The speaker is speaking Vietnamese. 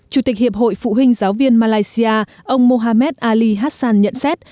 chủ tịch hiệp hội phụ huynh giáo viên malaysia ông mohammed ali hassan nhận xét